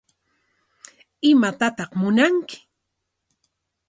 ¿Imatataq munanki?